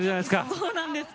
そうなんです。